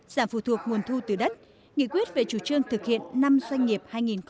giảm phù thuộc nguồn thu từ đất nghị quyết về chủ trương thực hiện năm doanh nghiệp hai nghìn một mươi bốn